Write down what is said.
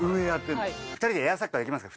２人でエアサッカーできますか？